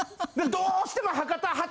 どうしても博多発